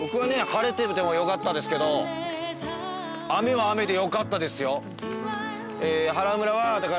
晴れてても良かったですけど雨は雨で良かったですよ。